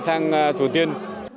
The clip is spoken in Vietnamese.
sang chùa tiên